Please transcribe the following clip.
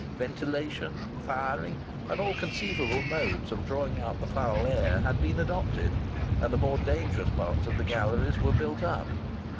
Ventilation, firing, and all conceivable modes of drawing out the foul air had been adopted, and the more dangerous parts of the galleries were built up.